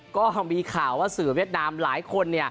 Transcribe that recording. ก็มีข่าวว่าสื่อเวียดนามหลายคน